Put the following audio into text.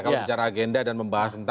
kalau bicara agenda dan membahas tentang